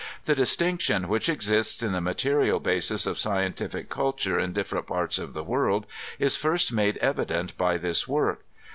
The distinction which exists in the mate rial basis of scientific culture in different parts of the world is first made evident by this work.